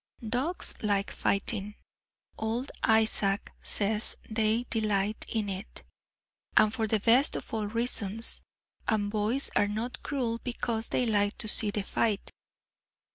Dogs like fighting; old Isaac says they "delight" in it, and for the best of all reasons; and boys are not cruel because they like to see the fight.